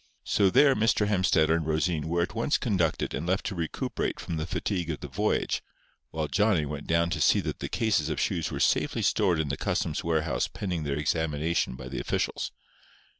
So there Mr. Hemstetter and Rosine were at once conducted and left to recuperate from the fatigue of the voyage, while Johnny went down to see that the cases of shoes were safely stored in the customs warehouse pending their examination by the officials.